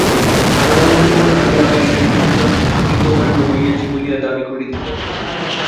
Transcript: আমার বোধ হয়, আমি আমেরিকায় কিছুটা কৃতকার্য হইয়াছি বলিয়া দাবী করিতে পারি।